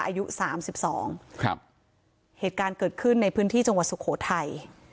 อายุสามสิบสองครับเหตุการณ์เกิดขึ้นในพื้นที่จังหวัดสุโขทัย